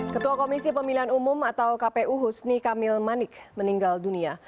ketua komisi pemilihan umum atau kpu husni kamil manik meninggal dunia